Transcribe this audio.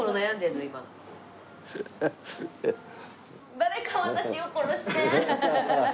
誰か私を殺して！